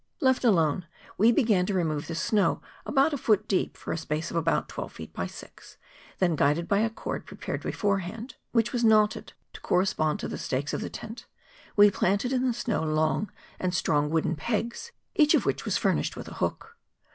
Left alone, we began to re¬ move the snow about a foot deep for a space of about twelve feet by six; then guided by a cord prepared beforehand, which was knotted to corre¬ spond to the stakes of the tent; we planted in the snow long and strong wooden pegs, each of which was furnished with a hook.